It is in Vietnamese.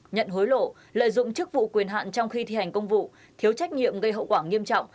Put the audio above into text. nhận hối lộ lợi dụng chức vụ quyền hạn trong khi thi hành công vụ thiếu trách nhiệm gây hậu quả nghiêm trọng